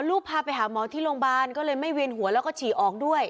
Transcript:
พาไปหาหมอที่โรงพยาบาลก็เลยไม่เวียนหัวแล้วก็ฉี่ออกด้วย